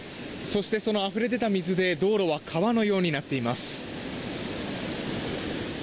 そして、そのあふれ出た水で道路は川のようになっています。